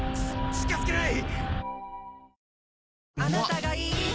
近づけない！